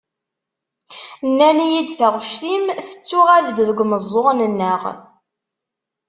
Nnan-iyi-d taɣect-im, tettuɣal-d deg meẓẓuɣen-nneɣ.